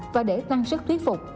và để tăng sức thuyết phục